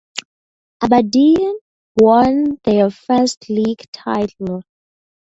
Aberdeen won their first League Title.